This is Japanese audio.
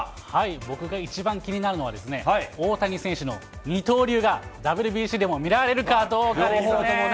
僕が一番気になるのは、大谷選手の二刀流がＷＢＣでも見られるかどうかですよね。